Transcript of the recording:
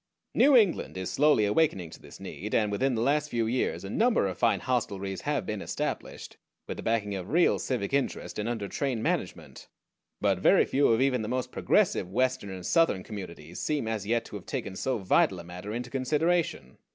New England is slowly awakening to this need, and within the last few years a number of fine hostelries have been established, with the backing of real civic interest, and under trained management; but very few of even the most progressive Western and Southern Communities seem as yet to have taken so vital a matter into consideration.